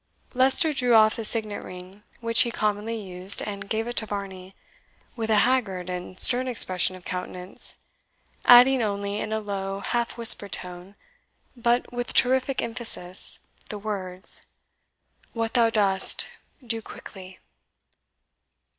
Leicester drew off the signet ring which he commonly used, and gave it to Varney, with a haggard and stern expression of countenance, adding only, in a low, half whispered tone, but with terrific emphasis, the words, "What thou dost, do quickly."